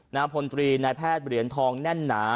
พลตรีนายแพทย์เหรียญทองแน่นหนา